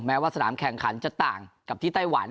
แม้ว่าสนามแข่งขันจะต่างกับที่ไต้หวัน